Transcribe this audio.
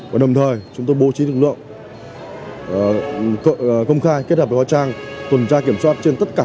và đồng thời chúng tôi bố trí lực lượng công khai kết hợp với hóa trang tuần tra kiểm soát trên tất cả